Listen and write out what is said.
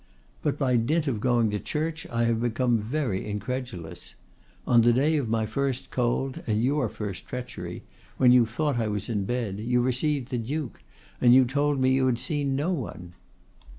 'But by dint of going to church I have become very incredulous. On the day of my first cold, and your first treachery, when you thought I was in bed, you received the Duke, and you told me you had seen no one.